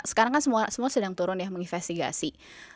sekarang kan semua sedang turun ya menginvestigasi